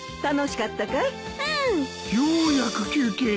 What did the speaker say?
楽しかったかい？